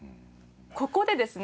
ここでですね